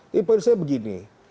tapi menurut saya begini